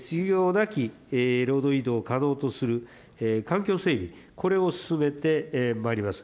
なき労働移動を可能する環境整備、これを進めてまいります。